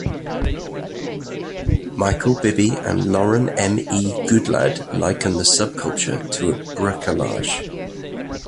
Michael Bibby and Lauren M. E. Goodlad liken the subculture to a bricolage.